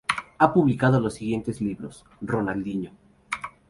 Ha publicado los siguientes libros: "Ronaldinho.